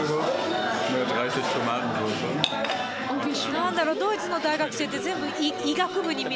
何だろうドイツの大学生って全部医学部に見えちゃう。